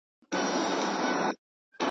ستا یادیږي پوره شل وړاندي کلونه .